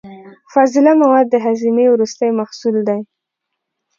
غول د هاضمې وروستی محصول دی.